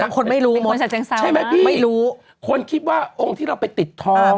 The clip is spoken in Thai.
คนไม่รู้มดใช่ไหมพี่ไม่รู้คนคิดว่าองค์ที่เราไปติดทอง